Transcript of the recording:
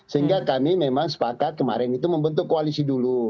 sehingga kami memang sepakat kemarin itu membentuk koalisi dulu